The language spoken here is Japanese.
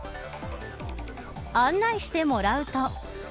案内してもらうと。